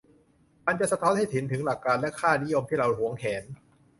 มันจะสะท้อนให้เห็นถึงหลักการและค่านิยมที่เราหวงแหน